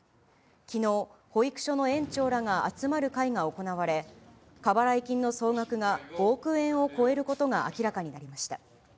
きのう、保育所の園長らが集まる会が行われ、過払い金の総額が５億円を超えることが明らかになりました。